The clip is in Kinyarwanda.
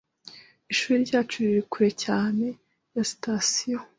Ishuri ryacu riri kure cyane ya sitasiyo.